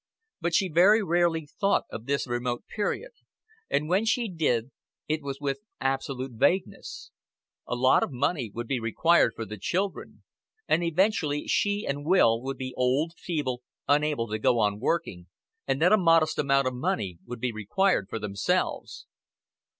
But she very rarely thought of this remote period; and when she did, it was with absolute vagueness. A lot of money would be required for the children; and eventually she and Will would be old, feeble, unable to go on working, and then a modest amount of money would be required for themselves.